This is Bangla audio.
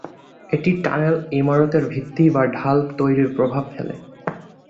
এটি টানেল, ইমারতের ভিত্তি বা ঢাল তৈরিতে প্রভাব ফেলে।